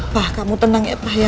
wah kamu tenang ya pak ya